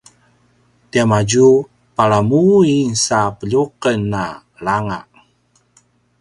tiamadju palamuin sa peljuqen a langa